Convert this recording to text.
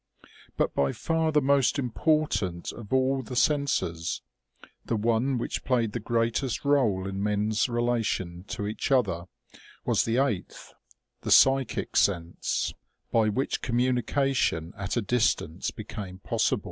But by far the most important of all the senses, the one which played the greatest role in men's relation to each other, was the eighth, the psychic sense, by which communication at a distance became possible.